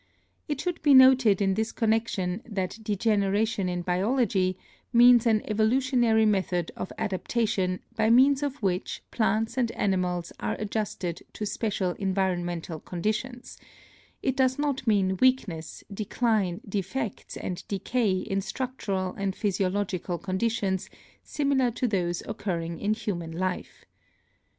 It should be noted in this connection that 278 BIOLOGY degeneration in biology means an evolutionary method of adaptation by means of which plants and animals are ad justed to special environmental conditions; it does not mean weakness, decline, defects and decay in structural and physiological conditions similar to those occurring in human life.